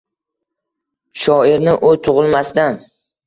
Shoirni u tug’ilmasdan